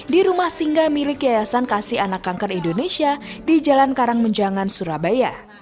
di rumah singga milik yayasan kasih anak kanker indonesia di jalan karang menjangan surabaya